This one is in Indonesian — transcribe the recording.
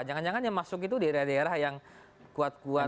jangan jangan yang masuk itu daerah daerah yang kuat kuat